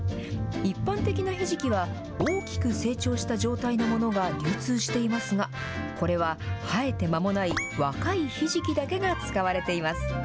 一般的なひじきは大きく成長した状態のものが流通していますが、これは生えて間もない若いひじきだけが使われています。